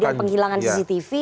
kemudian penghilangan cctv